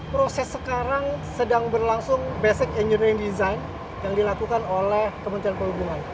proses sekarang sedang berlangsung basic engineering design yang dilakukan oleh kementerian perhubungan